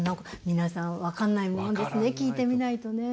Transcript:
皆さん分かんないもんですね聞いてみないとね。